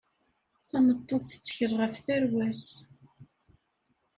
Tameṭṭut tettkel ɣef tarwa-s.